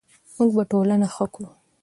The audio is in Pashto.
موږ به ټولنه ښه کړو.